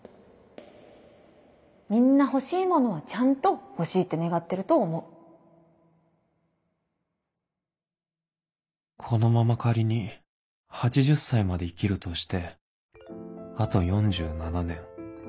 みんな欲しいものはちゃんと欲しこのまま仮に８０歳まで生きるとしてあと４７年